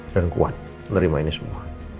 dan kuat nerima ini semua